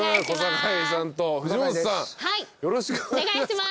よろしくお願いします。